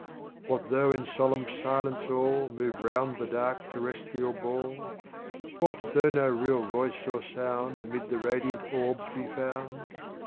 What though in solemn silence all Move round the dark terrestrial ball? What though no real voice nor sound Amid the radiant orbs be found?